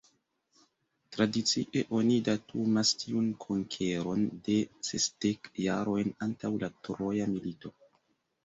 Tradicie oni datumas tiun konkeron de sesdek jarojn antaŭ la Troja milito.